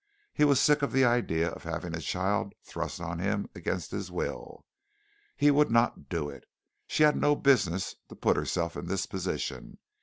He was sick of the idea of having a child thrust on him against his will. He would not do it. She had no business to put herself in this position.